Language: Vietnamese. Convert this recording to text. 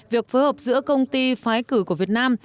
việc phối hợp giữa công ty phái cử của việt nam